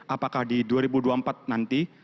apakah di dua ribu dua puluh empat nanti